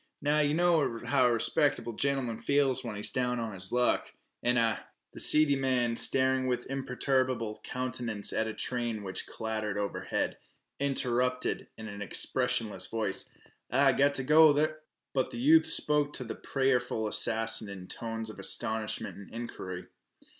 Now, yeh know how a respecter'ble gentlem'n feels when he's down on his luck, an' I " The seedy man, staring with imperturbable countenance at a train which clattered overhead, interrupted in an expressionless voice "Ah, go t' h !" But the youth spoke to the prayerful assassin in tones of astonishment and inquiry.